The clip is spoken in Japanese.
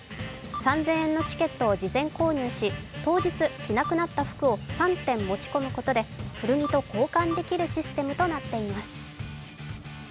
３０００円のチケットを事前購入し当日、着なくなった服を３点持ち込むことで古着と交換できるシステムとなっています。